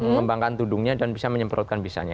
mengembangkan tudungnya dan bisa menyemprotkan bisanya